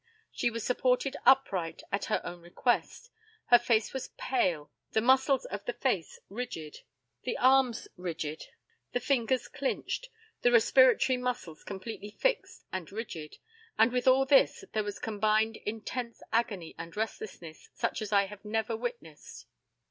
She was supported upright, at her own request; her face was pale, the muscles of the face rigid, the arms rigid, the fingers clinched, the respiratory muscles completely fixed and rigid, and with all this there was combined intense agony and restlessness, such as I have never witnessed.